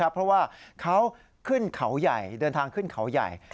เพราะว่าเขาเดินทางขึ้นเขาใหญ่